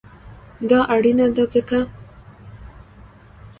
دا اړینه ده ځکه: